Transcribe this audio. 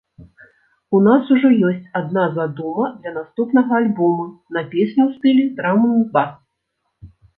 У нас ужо ёсць адна задума для наступнага альбома на песню ў стылі драм-н-бас.